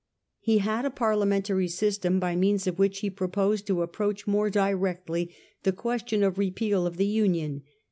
He had a Parliamentary system by means of which he proposed to approach more directly the question of Repeal of the Union.